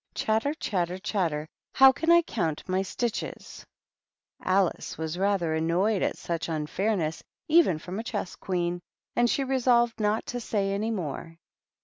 Chatter, chatter, chatter ! how can I count my stitches ?" Alice was rather annoyed at such unfairness, even from a Chess Queen, and she resolved not to say any more.